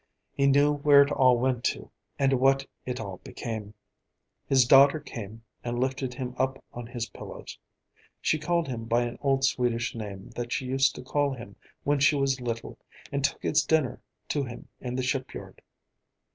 He knew where it all went to, what it all became. His daughter came and lifted him up on his pillows. She called him by an old Swedish name that she used to call him when she was little and took his dinner to him in the shipyard.